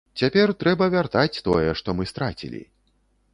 Цяпер трэба вяртаць тое, што мы страцілі.